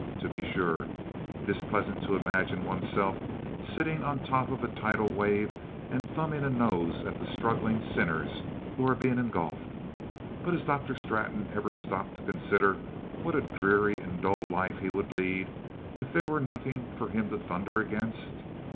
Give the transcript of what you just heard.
To be sure, it is pleasant to imagine oneself sitting on top of a tidal wave and thumbing a nose at the struggling sinners who are being engulfed. But has Dr. Straton ever stopped to consider what a dreary and dull life he would lead if there were nothing for him to thunder against?